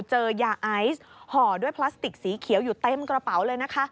เจอยาไอซ์ห่อด้วยพลาสติกสีเขียวอยู่เต็มกระเป๋าเลยนะคะ